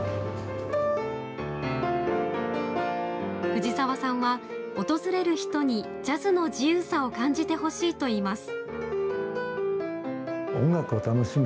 藤澤さんは、訪れる人にジャズの自由さを感じてほしいといいます。